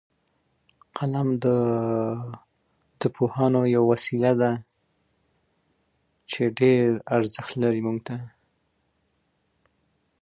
دی وایي چې قلم د حق وسیله ده.